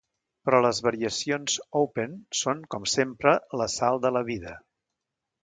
Però les variacions “open” són, com sempre, la sal de la vida.